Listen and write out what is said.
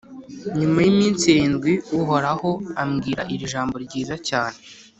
Nyuma y’iminsi irindwi, Uhoraho ambwira iri jambo ryiza cyane